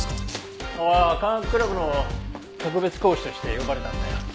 ああ科学クラブの特別講師として呼ばれたんだよ。